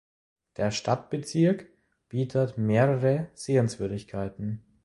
Der Stadtbezirk bietet mehrere Sehenswürdigkeiten.